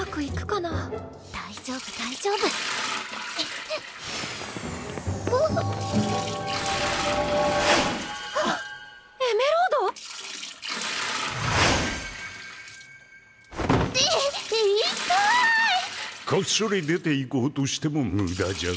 こっそり出ていこうとしても無駄じゃぞ。